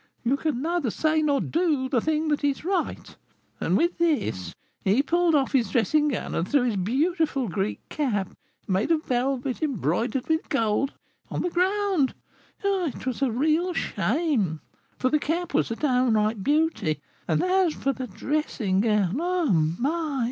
You can neither say nor do the thing that is right,' and with this he pulled off his dressing gown and threw his beautiful Greek cap, made of velvet embroidered with gold, on the ground: it was a real shame, for the cap was a downright beauty; and as for the dressing gown, oh, my!